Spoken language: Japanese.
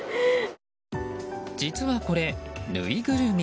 実はこれ、ぬいぐるみ。